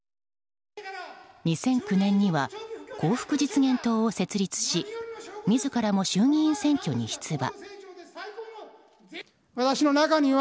２００９年には幸福実現党を設立し自らも衆議院選挙に出馬。